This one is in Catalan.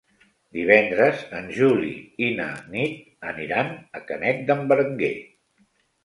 Divendres en Juli i na Nit aniran a Canet d'en Berenguer.